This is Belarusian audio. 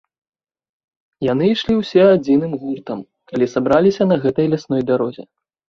Яны ішлі ўсе адзіным гуртам, калі сабраліся на гэтай лясной дарозе.